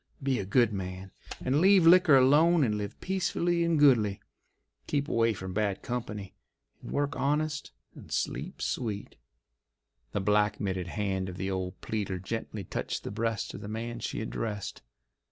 Be a good man, and leave liquor alone and live peaceably and goodly. Keep away from bad company and work honest and sleep sweet." The black mitted hand of the old pleader gently touched the breast of the man she addressed.